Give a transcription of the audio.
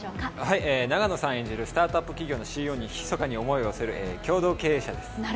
演じるスタートアップ企業のＣＥＯにひそかに思いを寄せる共同経営者です。